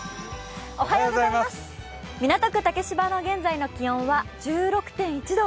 港区竹芝の現在の気温は１６．１度。